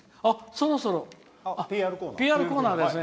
そろそろＰＲコーナーですね。